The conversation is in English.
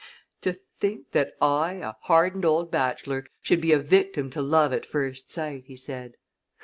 "To think that I, a hardened old bachelor, should be a victim to love at first sight!" he said.